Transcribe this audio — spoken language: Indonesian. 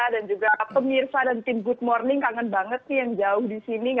dan juga pemirsa dan tim good morning kangen banget sih yang jauh di sini